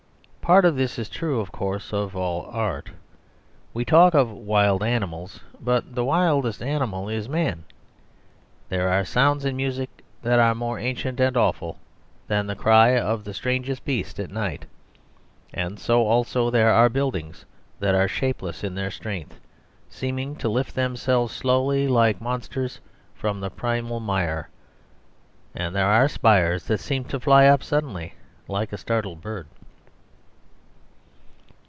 Part of this is true, of course, of all art. We talk of wild animals, but the wildest animal is man. There are sounds in music that are more ancient and awful than the cry of the strangest beast at night. And so also there are buildings that are shapeless in their strength, seeming to lift themselves slowly like monsters from the primal mire, and there are spires that seem to fly up suddenly like a startled bird.